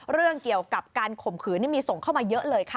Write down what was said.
เรื่องเกี่ยวกับการข่มขืนนี่มีส่งเข้ามาเยอะเลยค่ะ